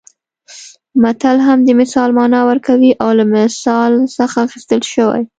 متل هم د مثال مانا ورکوي او له مثل څخه اخیستل شوی